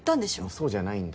そうじゃないんだ。